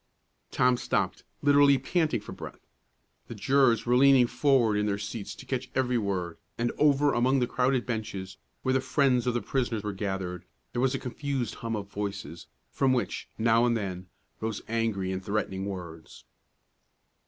Tom stopped, literally panting for breath. The jurors were leaning forward in their seats to catch every word, and over among the crowded benches, where the friends of the prisoner were gathered, there was a confused hum of voices, from which, now and then, rose angry and threatening words.